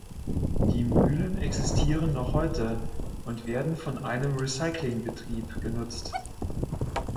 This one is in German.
Die Mühlen existieren noch heute und werden von einem Recycling-Betrieb genutzt.